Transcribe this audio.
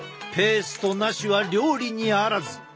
ペーストなしは料理にあらず！